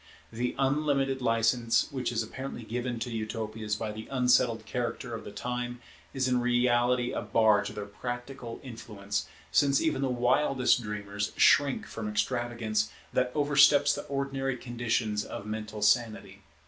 The unlimited license which is apparently given to Utopias by the unsettled character of the time is in reality a bar to their practical influence, since even the wildest dreamers shrink from extravagance that oversteps the ordinary conditions of mental sanity.